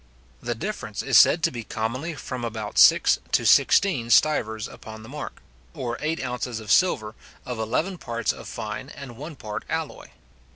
The difference is said to be commonly from about six to sixteen stivers upon the mark, or eight ounces of silver, of eleven parts of fine and one part alloy.